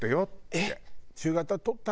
「えっ？」。